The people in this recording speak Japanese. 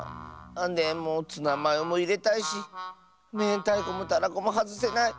でもツナマヨもいれたいしめんたいこもたらこもはずせない。